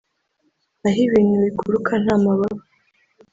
aho ibintu biguruka nta mababa